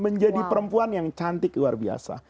menjadi perempuan yang cantik luar biasa